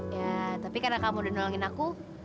ya tapi karena kamu udah nuangin aku